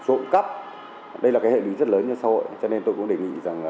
rộng cấp đây là hệ lụy rất lớn cho xã hội cho nên tôi cũng đề nghị